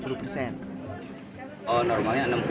oh normalnya enam puluh